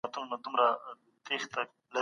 تر دې وخته پوري مې کار خلاص کړی.